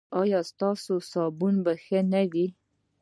ایا ستاسو صابون به ښه نه وي؟